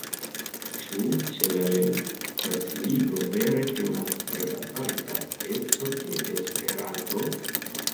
Ĉu ĉe la lernfaciligo vere temas pri aparta eco de Esperanto?